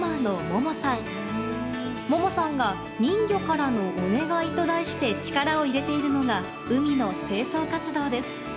ももさんが「人魚からのお願い」と題して力を入れているのが海の清掃活動です。